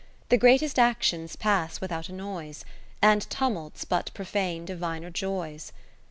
The greatest actions pass without a noise, And tumults but profane diviner joys.